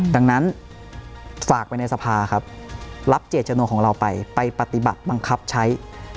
ดังนั้นฝากไปในสภาครับรับเจตจำนวนของเราไปไปปฏิบัติบังคับใช้